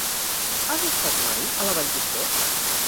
Has estat mai a la Vall d'Uixó?